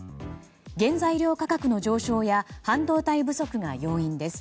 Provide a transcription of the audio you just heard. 原材料価格の上昇や半導体不足が要因です。